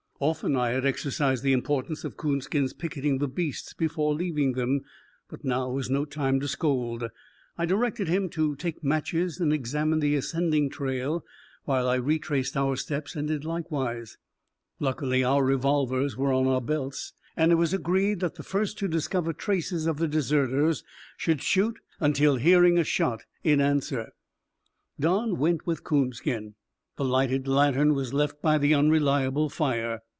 Often had I exercised the importance of Coonskin's picketing the beasts before leaving them, but now was no time to scold. I directed him to take matches and examine the ascending trail, while I retraced our steps and did likewise. Luckily our revolvers were in our belts, and it was agreed that the first to discover traces of the deserters should shoot until hearing a shot in answer. Don went with Coonskin. The lighted lantern was left by the unreliable fire.